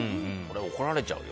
怒られちゃうよ。